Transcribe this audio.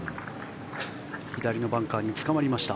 左のバンカーにつかまりました。